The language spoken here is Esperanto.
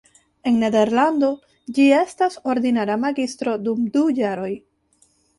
En Nederlando ĝi estas ordinara magistro dum du jaroj.